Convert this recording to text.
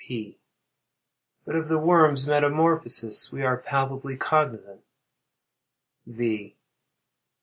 P. But of the worm's metamorphosis we are palpably cognizant. _V.